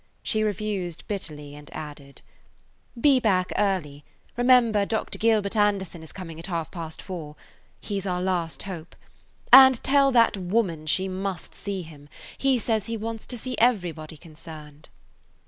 She refused bitterly and added: "Be back early. Remember Dr. Gilbert Anderson is coming at half past four. He 's our last hope. And tell that woman she must see him. He says he wants to see everybody concerned."